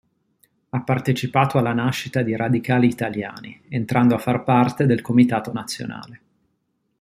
Ha partecipato alla nascita di Radicali Italiani, entrando a far parte del Comitato Nazionale.